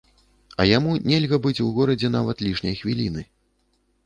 А яму нельга быць у горадзе нават лішняй хвіліны.